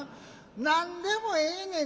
何でもええねん。